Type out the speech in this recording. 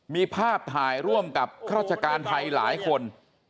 มีภาพถ่ายร่วมกับครอสเจอร์การไทยหลายคน